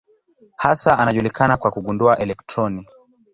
Hasa anajulikana kwa kugundua elektroni.